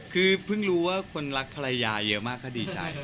คือเพิ่งรู้ว่าคนรักภรรยาเยอะมากก็ดีใจ